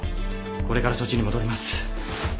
これからそっちに戻ります。